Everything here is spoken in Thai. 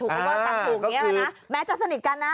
ถูกว่ากันถูกแม้จะสนิทกันนะ